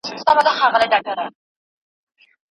ماشوم په خپلو سره وېښتان باندې لاس تېر کړ.